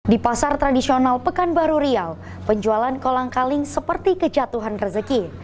di pasar tradisional pekanbaru riau penjualan kolang kaling seperti kejatuhan rezeki